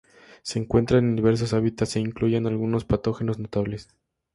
Se encuentran en diversos hábitats e incluyen algunos patógenos notables.